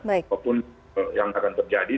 apapun yang akan terjadi